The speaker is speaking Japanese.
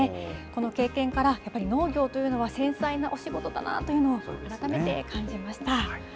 この経験からやっぱり農業というのは繊細なお仕事だなというのを改めて感じました。